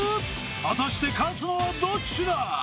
果たして勝つのはどっちだ！